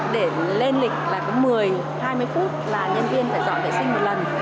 để lên lịch có một mươi hai mươi phút là nhân viên phải dọn vệ sinh một lần